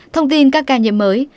thông tin các ca nhiễm mới